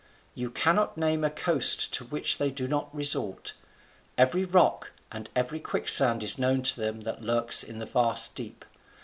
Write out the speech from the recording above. You cannot name a coast to which they do not resort. Every rock and every quicksand is known to them that lurks in the vast deep.